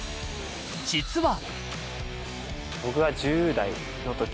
実は。